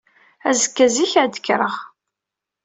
Azekka zik ad d-kkreɣ.